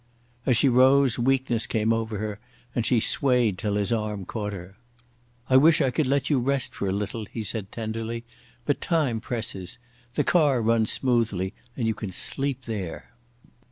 As she rose weakness came over her and she swayed till his arm caught her. "I wish I could let you rest for a little," he said tenderly, "but time presses. The car runs smoothly and you can sleep there."